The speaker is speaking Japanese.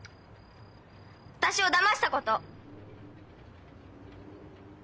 私をだましたこと！